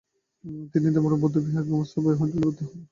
তিনি দ্রেপুং বৌদ্ধবিহার বিশ্ববিদ্যালয়ের গোমস্নগ মহাবিদ্যালয়ে ভর্তি হন।